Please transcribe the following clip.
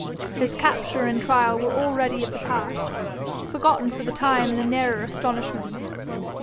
His capture and trial were already of the past, forgotten for the time in the nearer astonishment.